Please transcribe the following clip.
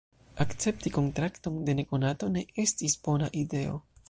"Akcepti kontrakton de nekonato ne estis bona ideo!"